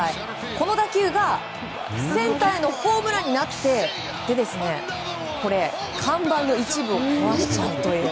この打球がセンターへのホームランになって看板の一部を壊しちゃうという。